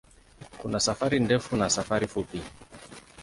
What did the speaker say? Kuna safari ndefu na safari fupi.